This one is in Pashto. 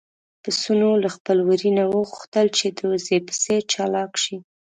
پسونو له خپل وري نه وغوښتل چې د وزې په څېر چالاک شي.